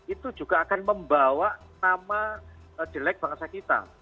itu juga akan membawa nama jelek bangsa kita